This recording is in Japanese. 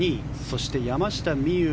そして、山下美夢